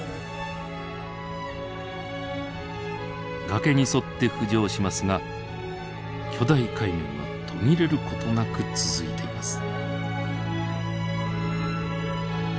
崖に沿って浮上しますが巨大カイメンは途切れる事なく続いています。